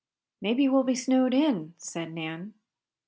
"Maybe we'll be snowed in," said Nan.